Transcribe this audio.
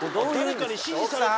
誰かに指示されて。